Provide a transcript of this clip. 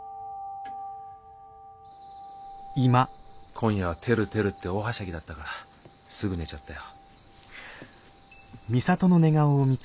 今夜はテルテルって大はしゃぎだったからすぐ寝ちゃったよ。